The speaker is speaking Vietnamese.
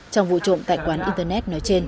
trong vụ trộm tại quán internet nói trên